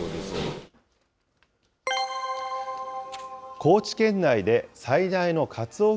高知県内で最大のカツオ漁